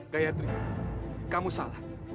gayatri kamu salah